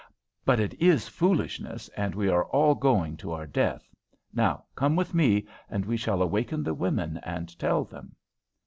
But it is foolishness, and we are all going to our death. Now come with me, and we shall awaken the women and tell them."